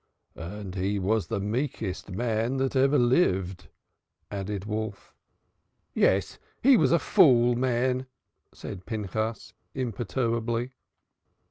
"And he was the meekest man that ever lived," added Wolf. "Yes, he was a fool man," said Pinchas imperturbably.